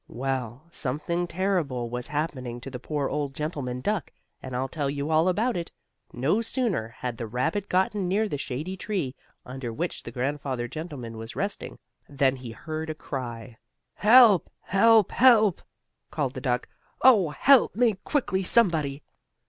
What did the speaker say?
Well, something terrible was happening to the poor old gentleman duck, and I'll tell you all about it. No sooner had the rabbit gotten near the shady tree under which the grandfather gentleman was resting, than he heard a cry: "Help! Help! Help!" called the duck. "Oh, help me quickly, somebody!"